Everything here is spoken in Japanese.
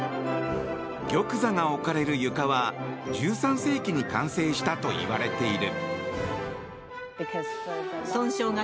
玉座が置かれる床は１３世紀に完成したといわれている。